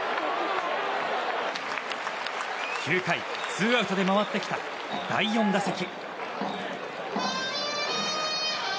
９回ツーアウトで回ってきた第４打席。